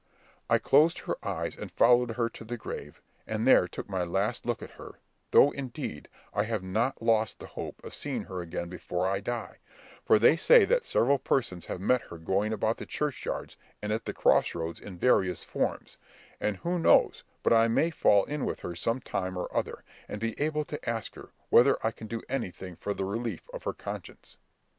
I closed her eyes and followed her to the grave, and there took my last look at her; though, indeed, I have not lost the hope of seeing her again before I die, for they say that several persons have met her going about the churchyards and the cross roads in various forms, and who knows but I may fall in with her some time or other, and be able to ask her whether I can do anything for the relief of her conscience?"